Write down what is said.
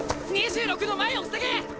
２６の前を防げ！